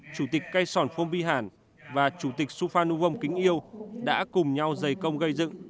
chủ tịch cây sòn phông vi hản và chủ tịch suphan u vông kính yêu đã cùng nhau giày công gây dựng